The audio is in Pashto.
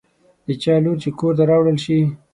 د چا لور چې کور ته راوړل شي.